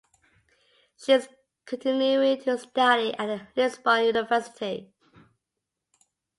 She is continuing to study at the Lisbon university.